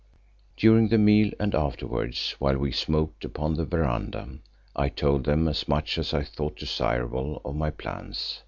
During the meal and afterwards while we smoked upon the veranda, I told them as much as I thought desirable of my plans.